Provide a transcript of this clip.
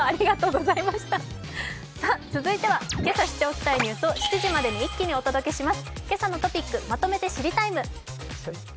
続いてはけさ知っておきたいニュースを７時までに一気にお届けします。